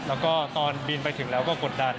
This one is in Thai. แล้วก็ตอนบินไปถึงแล้วก็กดดัน